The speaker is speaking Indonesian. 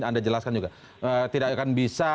anda jelaskan juga tidak akan bisa